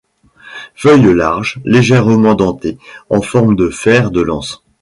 Feuilles larges, légèrement dentées, en forme de fer de lance.